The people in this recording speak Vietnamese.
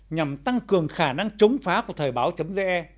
nhằm tăng cường khả năng chống phá của thời báo ge